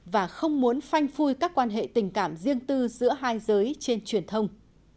và không muốn phanh phui các quan hệ tình cảm riêng tư giữa hai giới trên truyền thông